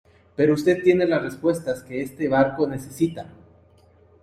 pero usted tiene las respuestas que este barco necesita